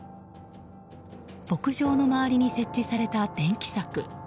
牧場の周りに設置された電気柵。